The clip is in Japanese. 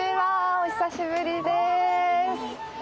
お久しぶりです。